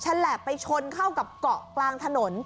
ฉลับไปชนเข้ากับเกาะกลางถนน